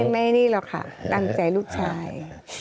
ไม่นี่หรอกค่ะตามใจลูกชาย